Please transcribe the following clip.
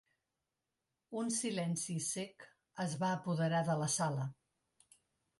Un silenci cec es va apoderar de la sala.